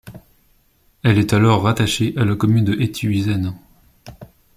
Elle est alors rattachée à la commune de Heythuysen.